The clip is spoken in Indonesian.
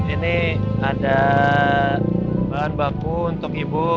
ini ada bahan baku untuk ibu